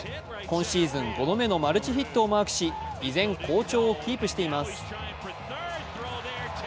今シーズン５度目のマルチヒットをマークし、依然、好調をキープしています。